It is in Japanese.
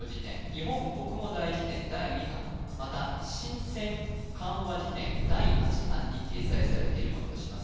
日本国語大辞典第２版また新選漢和辞典第八版に掲載されているものとします